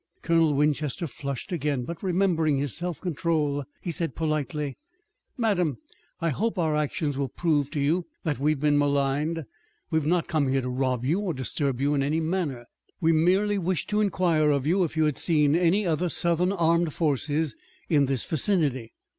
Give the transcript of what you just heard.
Colonel Winchester flushed again but, remembering his self control, he said politely: "Madame, I hope that our actions will prove to you that we have been maligned. We have not come here to rob you or disturb you in any manner. We merely wished to inquire of you if you had seen any other Southern armed forces in this vicinity."